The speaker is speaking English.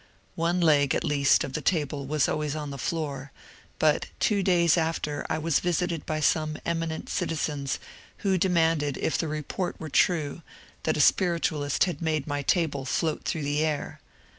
One leg, at least, of the table was always on the floor, but two days after I was visited by some eminent citizens who demanded if the report were true that a spiritualist had made my table float through the air.